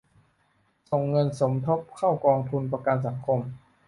ส่งเงินสมทบเข้ากองทุนประกันสังคม